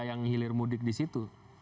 yang hilir mudik di situ